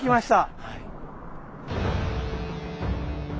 はい。